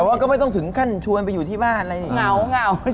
แต่ว่าก็ไม่ต้องถึงขั้นชวนไปอยู่ที่บ้านอะไรนี่เหงา